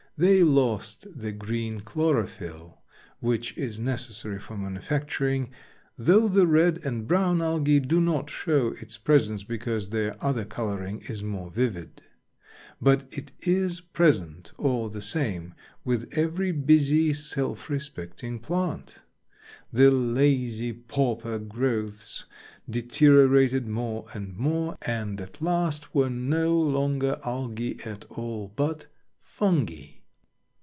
They lost the green chlorophyll, which is necessary for manufacturing, though the red and brown Algae do not show its presence because their other coloring is more vivid. But it is present all the same with every busy, self respecting plant. The lazy, pauper growths deteriorated more and more and at last were no longer Algae at all, but Fungi.